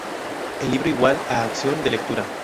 El libro igual a acción de lectura.